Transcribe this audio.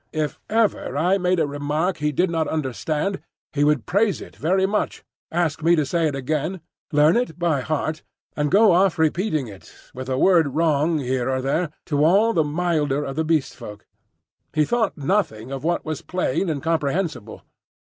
If ever I made a remark he did not understand, he would praise it very much, ask me to say it again, learn it by heart, and go off repeating it, with a word wrong here or there, to all the milder of the Beast People. He thought nothing of what was plain and comprehensible.